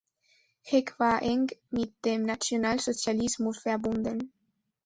Heck war eng mit dem Nationalsozialismus verbunden.